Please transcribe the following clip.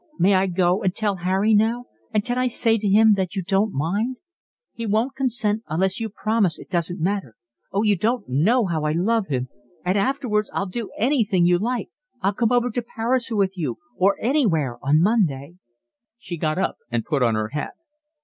"May I go and tell Harry now? And can I say to him that you don't mind? He won't consent unless you promise it doesn't matter. Oh, you don't know how I love him! And afterwards I'll do anything you like. I'll come over to Paris with you or anywhere on Monday." She got up and put on her hat.